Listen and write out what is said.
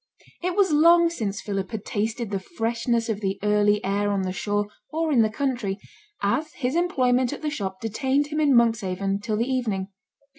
It was long since Philip had tasted the freshness of the early air on the shore, or in the country, as his employment at the shop detained him in Monkshaven till the evening.